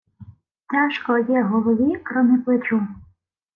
Тяжко є голові кромі плечу